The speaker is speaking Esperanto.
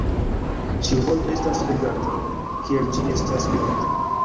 Ĉiu vorto estas legata, kiel ĝi estas skribita.